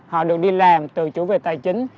họ được đi làm từ chủ về tài chính